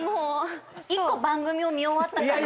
１個番組を見終わった感じ。